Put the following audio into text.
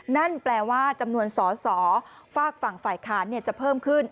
นั่นแปลว่าจำนวนสอสอฝากฝั่งฝ่ายค้านจะเพิ่มขึ้น